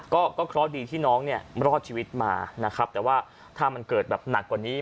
ก็เค้าดีที่น้องรอดชีวิตมาแต่ว่าถ้ามันเกิดหนักกว่านี้